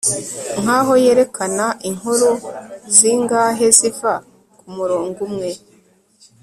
nkaho yerekana inkuru zingahe ziva kumurongo umwe